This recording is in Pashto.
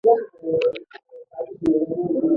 قطعاً مې نه درتکراروله.